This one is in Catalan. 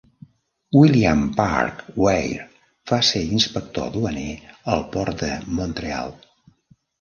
William Park Weir va ser inspector duaner al port de Montreal.